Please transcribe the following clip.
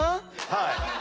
はい。